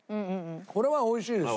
これは美味しいですよ。